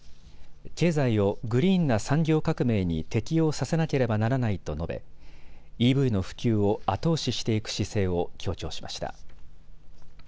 経済をグリーンな産業革命に適応させなければならないと述べＥＶの普及を後押ししていく姿勢を強調しました。